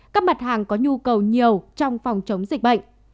các mặt hàng có nhu cầu nhiều trong phòng chống dịch bệnh